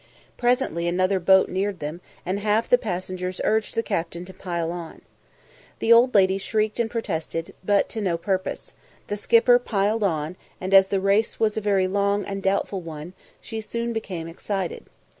Presently another boat neared them, and half the passengers urged the captain to "pile on." The old lady shrieked and protested, but to no purpose; the skipper "piled on;" and as the race was a very long and doubtful one, she soon became excited.